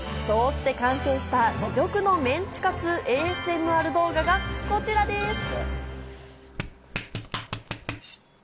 そうして完成した珠玉のメンチカツＡＳＭＲ動画がこちらです。